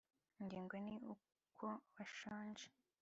Ingingo ni uko bashonje